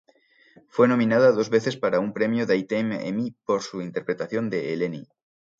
Fue nominada dos veces para un Premio Daytime Emmy por su interpretación de Eleni.